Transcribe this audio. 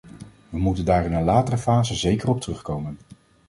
We moeten daar in een latere fase zeker op terugkomen.